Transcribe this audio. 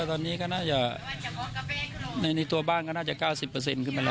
ตอนนี้ก็น่าจะในนี้ตัวบ้านก็น่าจะก้าวสิบเปอร์เซ็นต์ขึ้นไปแล้วครับ